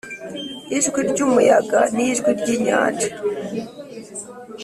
ijwi ry'umuyaga n'ijwi ry'inyanja,